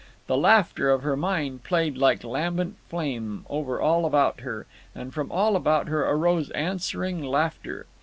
The laughter of her mind played like lambent flame over all about her, and from all about her arose answering laughter.